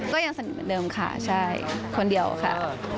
ก็ยังสนิทเหมือนเดิมค่ะใช่คนเดียวค่ะ